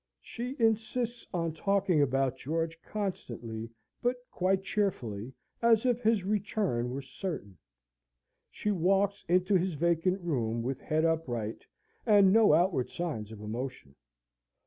She insists on talking about George constantly, but quite cheerfully, and as if his return was certain. She walks into his vacant room, with head upright, and no outward signs of emotion.